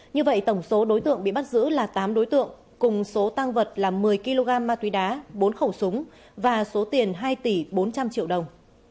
như vậy tổng số đối tượng bị bắt giữ là tám đối tượng cùng số tăng vật là một mươi kg ma túy đá bốn khẩu súng và số tiền hai tỷ bốn trăm linh triệu đồng